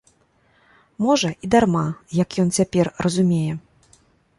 Можа, і дарма, як ён цяпер разумее.